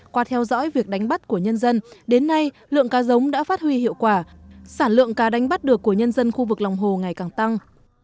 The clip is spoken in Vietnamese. qua theo dõi việc đánh bắt của nhân dân đến nay lượng cá giống đã phát huy hiệu quả sản lượng cá đánh bắt được của nhân dân khu vực lòng hồ ngày càng tăng